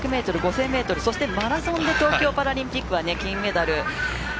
８００ｍ、１５００ｍ、５０００ｍ、マラソンで東京パラリンピックは金メダル。